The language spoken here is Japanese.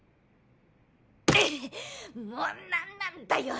もう何なんだよ